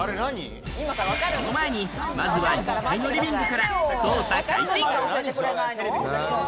その前にまずは２階のリビングから捜査開始。